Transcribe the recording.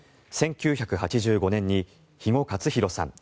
１９８５年に肥後克広さん